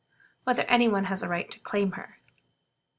Whether any one has a right to claim her?